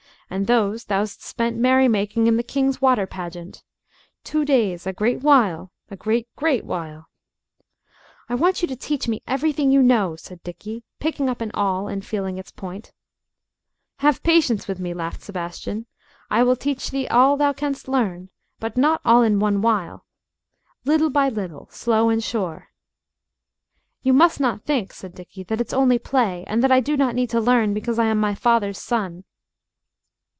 And those thou'st spent merrymaking in the King's water pageant. Two days a great while, a great, great while." "I want you to teach me everything you know," said Dickie, picking up an awl and feeling its point. [Illustration: "'OH, WHAT A LONG TIME SINCE I HAVE SEEN THEE!' DICKIE CRIED" [Page 147] "Have patience with me," laughed Sebastian; "I will teach thee all thou canst learn, but not all in one while. Little by little, slow and sure." "You must not think," said Dickie, "that it's only play, and that I do not need to learn because I am my father's son."